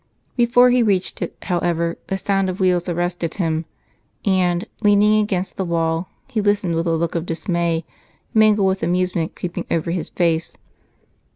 Before he reached it, however, the sound of wheels arrested him and, leaning against the wall, he listened with a look of dismay mingled with amusement creeping over his face.